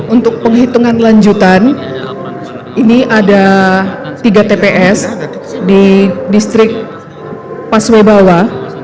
untuk penghitungan lanjutan ini ada tiga tps di distrik paswabawa